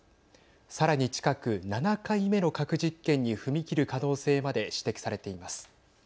さらに近く、７回目の核実験に踏み切る可能性まで指摘されています。